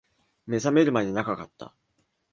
目覚めるまで長かった